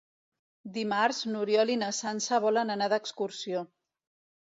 Dimarts n'Oriol i na Sança volen anar d'excursió.